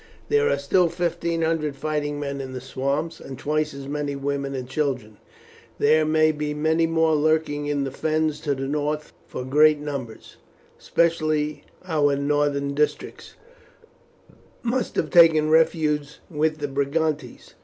There are still fifteen hundred fighting men in the swamps, and twice as many women and children. There may be many more lurking in the Fens to the north, for great numbers, especially from our northern districts, must have taken refuge with the Brigantes.